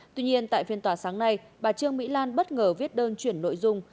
tuy nhiên tại phiên tòa sáng nay bà trương mỹ lan bất ngờ viết đơn chuyển nội dung